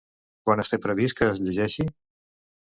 Quan es té previst que es llegeixi?